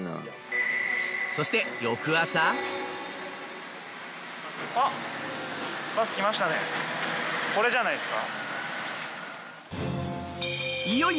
そしてこれじゃないっすか？